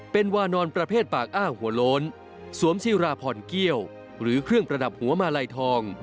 เป็นวานอนประเภทปากอ้างหัวโล้นสวมซีราพรเกี้ยวหรือเครื่องประดับหัวมาลัยทอง